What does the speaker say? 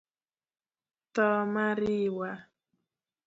Tho ma riwa;